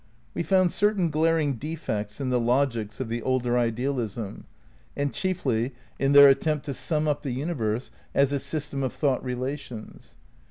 We found certain glaring defects in the logics of the older idealism, and chiefly in their attempt to sum up the universe as a system of thought relations.